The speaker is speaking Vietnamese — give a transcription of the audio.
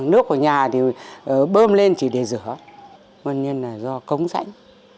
nước của nhà thì bơm lên chỉ để rửa nguyên nhân là do cống sảnh